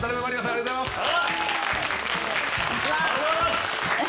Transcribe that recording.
ありがとうございます！